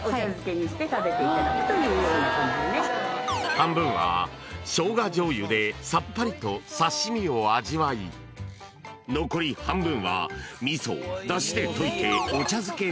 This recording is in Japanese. ［半分はしょうがじょうゆでさっぱりと刺し身を味わい残り半分は味噌をだしで溶いてお茶漬け風に］